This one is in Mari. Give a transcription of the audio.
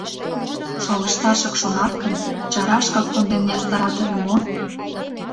— Шолышташак шонат гын, чарашкак конден ястарат ыле мо?